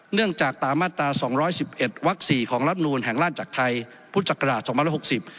เนื่องจากตามตรา๒๑๑วักษีของรัฐนุนแห่งราชจักรไทยพศ๒๖๐